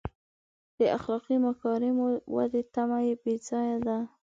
د اخلاقي مکارمو ودې تمه بې ځایه ده.